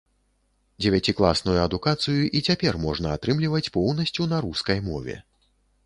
Дзевяцікласную адукацыю і цяпер можна атрымліваць поўнасцю на рускай мове.